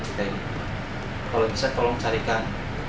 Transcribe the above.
jadi kalau bisa tolong carikan